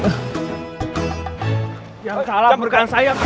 yang salah bukan saya yang salah